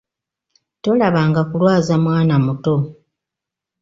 Tolabanga kulwaza mwana muto!